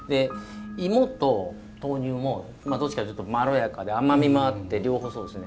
芋と豆乳もどっちかっていうとまろやかで甘みもあって両方そうですね。